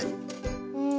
うん。